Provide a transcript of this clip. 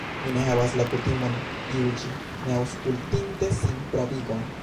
Mi ne havas la kutimon juĝi, ne aŭskultinte sinpravigon.